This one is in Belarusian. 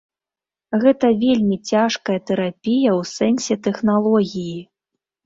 Гэта вельмі цяжкая тэрапія ў сэнсе тэхналогіі.